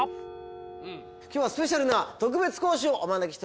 今日はスペシャルな特別講師をお招きしております。